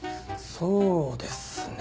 そうですね。